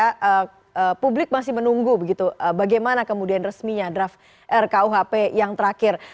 karena publik masih menunggu begitu bagaimana kemudian resminya draft rkuhp yang terakhir